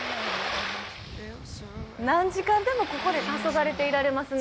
何時間でも、ここでたそがれていられますね。